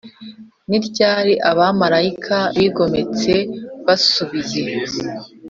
Ni ryari abamarayika bigometse basubiye